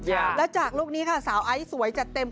แล้วหลังจากลูกนี้ค่ะสาวไอส์สวยแต่เต็ม